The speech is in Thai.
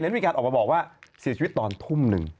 มีการออกมาบอกว่าเสียชีวิตตอนทุ่มหนึ่ง